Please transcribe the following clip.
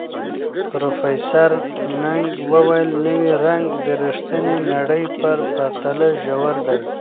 پروفیسر نګ وویل، نوی رنګ د ریښتیني نړۍ په پرتله ژور دی.